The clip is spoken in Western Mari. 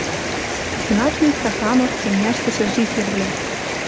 Знатный Стаханов семняштӹшӹ жительвлӓ